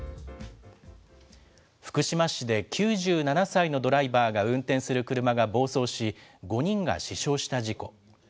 福島市で９７歳のドライバーが運転する車が暴走し、５人が死傷した事故。